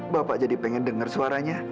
bapak jadi pengen dengar suaranya